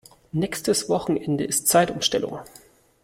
Nächstes Wochenende ist Zeitumstellung.